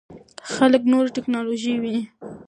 خلک نوې ټکنالوژي ویني.